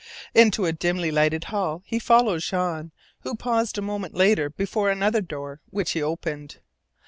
Into a dimly lighted hall he followed Jean, who paused a moment later before another door, which he opened.